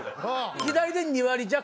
左で２割弱。